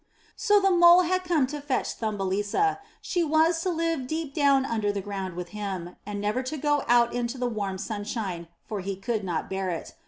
So the Mole had come to fetch Thumbelisa; she was to live deep down under the ground with him, and never to go out into the warm sunshine, for he could not bear it.